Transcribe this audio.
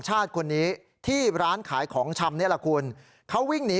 ชาติคนนี้ที่ร้านขายของชำนี่แหละคุณเขาวิ่งหนี